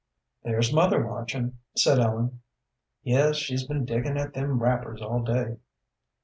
"There's mother watching," said Ellen. "Yes, she's been diggin' at them wrappers all day."